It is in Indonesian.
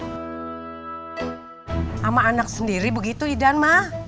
sama anak sendiri begitu idan ma